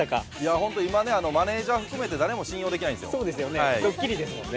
本当、今マネージャー含めて誰も信用できないんですよ。